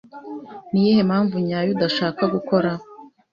Niyihe mpamvu nyayo udashaka gukora?